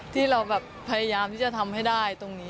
ที่เราแบบพยายามที่จะทำให้ได้ตรงนี้